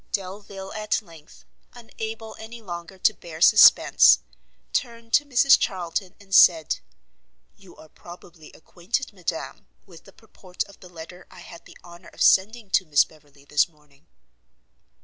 Delvile at length, unable any longer to bear suspence, turned to Mrs Charlton, and said, "You are probably acquainted, madam, with the purport of the letter I had the honour of sending to Miss Beverley this morning?"